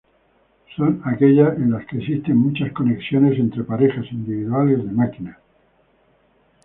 Son aquellas en las que existen muchas conexiones entre parejas individuales de máquinas.